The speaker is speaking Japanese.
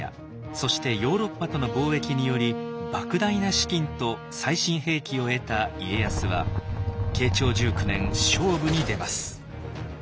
そしてヨーロッパとの貿易によりばく大な資金と最新兵器を得た家康は慶長１９年勝負に出ます。